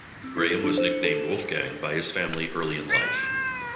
Graham was nicknamed "Wolfgang" by his family early in life.